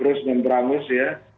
terus memperangus ya